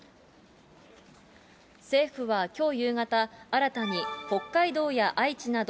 政府はきょう夕方、新たに北海道や愛知など、